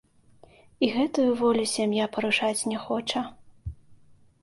І гэтую волю сям'я парушаць не хоча.